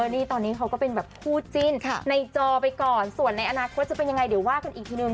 นี่ตอนนี้เขาก็เป็นแบบคู่จิ้นในจอไปก่อนส่วนในอนาคตจะเป็นยังไงเดี๋ยวว่ากันอีกทีนึง